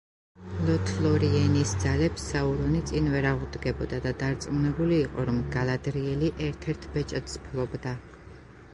ლოთლორიენის ძალებს საურონი წინ ვერ აღუდგებოდა და დარწმუნებული იყო, რომ გალადრიელი ერთ-ერთ ბეჭედს ფლობდა.